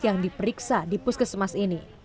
yang diperiksa di puskesmas ini